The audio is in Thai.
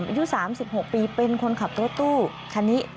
อายุ๓๖ปีเป็นคนขับโต้ตู้คณิค